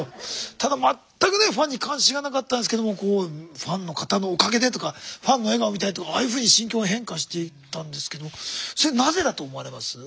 ただ全くねファンに関心がなかったんですけどファンの方のおかげでとかファンの笑顔が見たいとああいうふうに心境が変化していったんですけどそれなぜだと思われます？